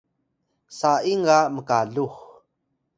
sa’ing ga mkalux